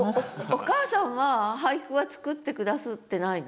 お母さんは俳句は作って下すってないの？